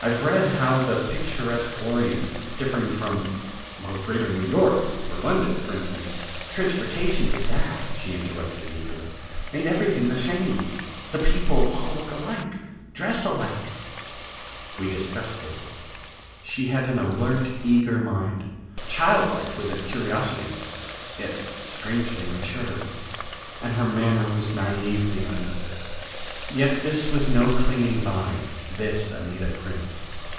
I have read how the picturesque Orient, differing from ... well, Greater New York or London, for instance " "Transportation did that," she interrupted eagerly. "Made everything the same the people all look alike ... dress alike." We discussed it. She had an alert, eager mind, childlike with its curiosity, yet strangely matured. And her manner was naïvely earnest. Yet this was no clinging vine, this Anita Prince.